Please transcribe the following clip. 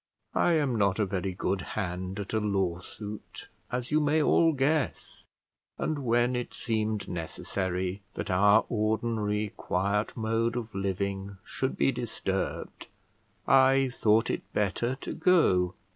I am not a very good hand at a lawsuit, as you may all guess; and when it seemed necessary that our ordinary quiet mode of living should be disturbed, I thought it better to go.